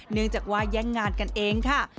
เนื่องจากว่าแย่งงานกันเองค่ะ